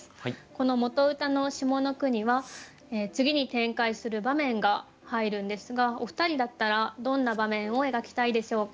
この元歌の下の句には次に展開する場面が入るんですがお二人だったらどんな場面を描きたいでしょうか？